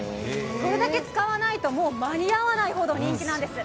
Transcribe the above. それだけ使わないと、もう間に合わないほど人気なんです。